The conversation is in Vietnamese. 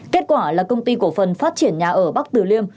kết quả là công ty cổ phần phát triển nhà ở bắc tử liêm